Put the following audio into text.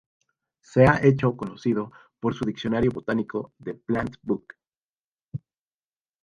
Se ha hecho conocido por su diccionario botánico "The plant-book.